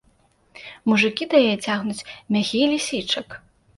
Мужыкі да яе цягнуць мяхі лісічак!